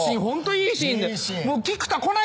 いいシーン。